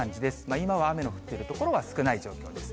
今は雨の降っている所は少ない状況です。